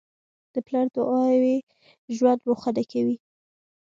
د پلار دعاوې ژوند روښانه کوي.